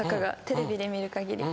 テレビで見るかぎり。